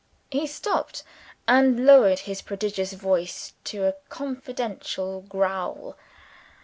He stopped, and lowered his prodigious voice to a confidential growl.